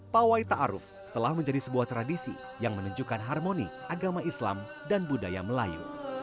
pak wai ta aruf telah menjadi sebuah tradisi yang menunjukkan harmoni agama islam dan budaya melayu